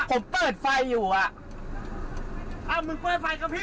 ผมเปิดไฟอยู่อ่ะอ้าวมึงเปิดไฟกับพี่